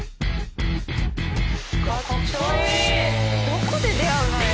どこで出会うのよ！